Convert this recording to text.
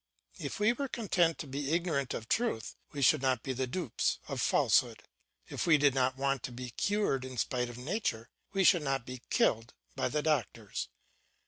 If we were content to be ignorant of truth we should not be the dupes of falsehood; if we did not want to be cured in spite of nature, we should not be killed by the doctors.